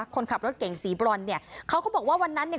คนขับรถเก่งสีบรอนเนี่ยเขาก็บอกว่าวันนั้นเนี่ย